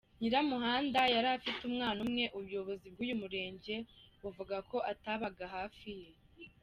Nyiramuhanda yari afite umwana umwe, ubuyobozi bw’uyu murenge buvuga ko atabaga hafi ye.